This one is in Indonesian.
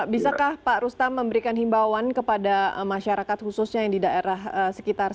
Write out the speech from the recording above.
bisakah pak rustam memberikan himbauan kepada masyarakat khususnya yang di daerah sekitar